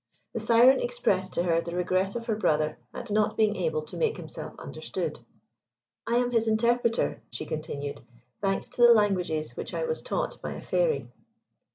The Syren expressed to her the regret of her brother at not being able to make himself understood. "I am his interpreter," she continued, "thanks to the languages which I was taught by a fairy."